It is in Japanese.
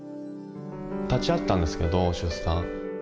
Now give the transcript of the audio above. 立ち会ったんですけど出産。